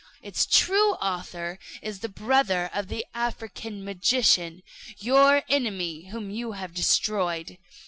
Its true author is the brother of the African magician, your enemy whom you have destroyed.